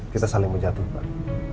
kita saling menjatuhkan